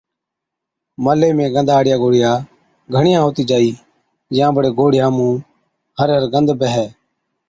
ملي ۾ گندا هاڙِيا گوڙهِيا گھڻِيا هُتِي جائِي يان بڙي گوڙهِيان هر هر گند بيهَي